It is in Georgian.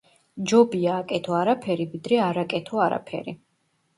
„ჯობია, აკეთო არაფერი, ვიდრე არ აკეთო არაფერი.”